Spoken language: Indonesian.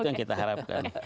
itu yang kita harapkan